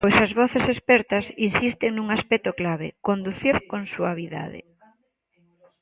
Pois as voces expertas insisten nun aspecto clave, conducir con suavidade.